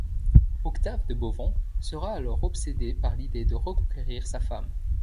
Octave de Bauvan sera alors obsédé par l'idée de reconquérir sa femme.